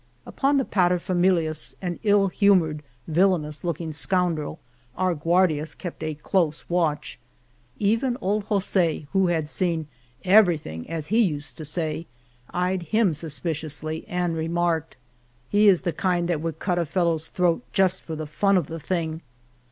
Upon the paterfamilias, an ill humored, villainous looking scoundrel, our Guardias kept a close watch. Even old Jos6, who had seen everything," as he used to say, eyed him suspiciously and remarked :He is of the kind that would cut a fellow's 232 Venta de Cardenas *f r throat just for the fun of the thing."